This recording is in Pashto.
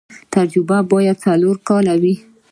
تجربه باید څلور کاله وي.